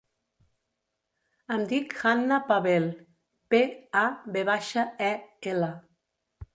Em dic Hannah Pavel: pe, a, ve baixa, e, ela.